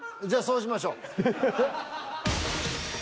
じゃそうしましょう。